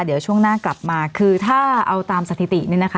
เดี๋ยวช่วงหน้ากลับมาคือถ้าเอาตามสถิตินี่นะคะ